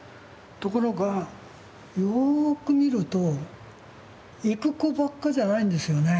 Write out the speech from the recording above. ところがよく見ると行く子ばっかじゃないんですよね。